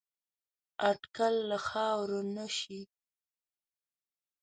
اټکل له خاورو نه شي